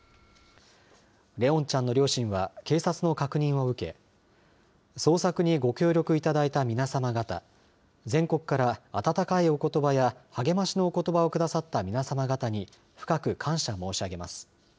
怜音ちゃんの両親は警察の確認を受け、捜索にご協力いただいた皆様方、全国から温かいおことばや励ましのおことばを下さった皆様方に深く感謝申し上げます。